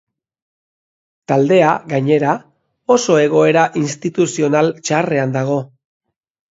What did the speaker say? Taldea, bainera, oso egoera instituzional txarrean dago.